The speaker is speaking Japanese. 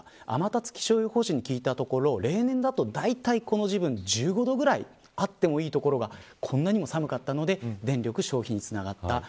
天達気象予報士に聞いたところ例年だとこの時分、１５度くらいあってもいいところがこんなにも寒かったので電力消費につながった。